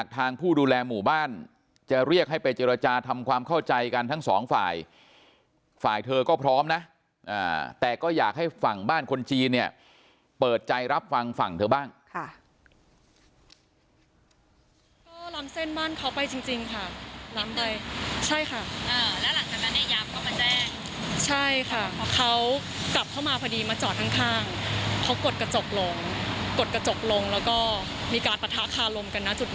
แต่ก็อยากให้ฝั่งบ้านคนชีเนี่ยเปิดใจรับฝั่งฝั่งเถอะบ้าง